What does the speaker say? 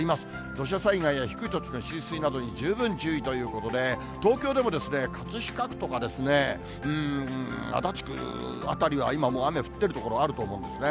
土砂災害や低い土地の浸水などに、十分注意ということで、東京でもですね、葛飾区ですとかね、足立区辺りは今もう、雨降ってる所、あると思うんですね。